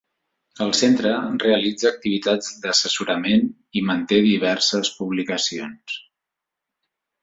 El centre realitza activitats d'assessorament i manté diverses publicacions.